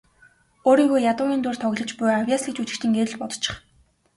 Өөрийгөө ядуугийн дүрд тоглож буй авъяаслагжүжигчин гээд л бодчих.